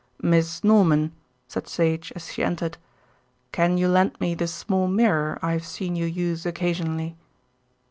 "Miss Norman," said Sage as she entered, "can you lend me the small mirror I have seen you use occasionally?"